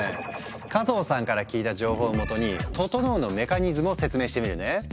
加藤さんから聞いた情報をもとに「ととのう」のメカニズムを説明してみるね。